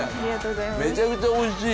めちゃめちゃおいしい！